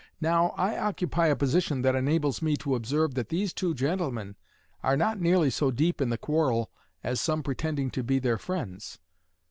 Now, I occupy a position that enables me to observe that these two gentlemen are not nearly so deep in the quarrel as some pretending to be their friends.